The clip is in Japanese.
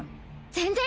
全然。